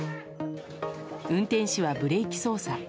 運転士はブレーキ操作。